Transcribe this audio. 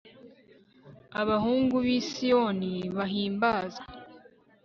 abahungu b'i siyoni bahimbazwe